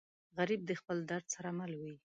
غریب د خپل درد سره مل وي